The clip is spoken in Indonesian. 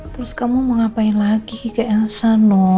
terus kamu mau ngapain lagi ke elsa no